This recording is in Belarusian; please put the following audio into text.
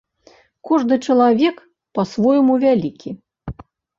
Кожны чалавек па-свойму вялікі.